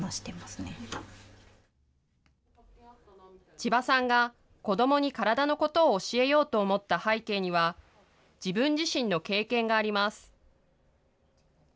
千葉さんが子どもに体のことを教えようと思った背景には、自分自身の経験があります。